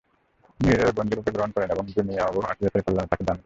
নিজের বন্ধুরূপে গ্রহণ করেন এবং দুনিয়া ও আখিরাতের কল্যাণ তাঁকে দান করেন।